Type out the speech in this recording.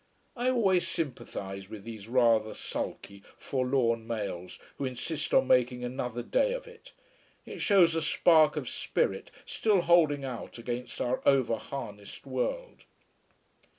I always sympathise with these rather sulky, forlorn males who insist on making another day of it. It shows a spark of spirit, still holding out against our over harnessed world.